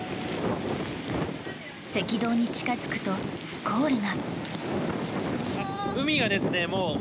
赤道に近付くとスコールが。